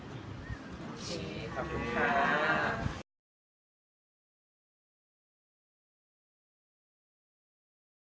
โอเคขอบคุณครับ